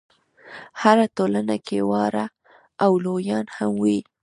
هره ټولنه کې واړه او لویان هم وي.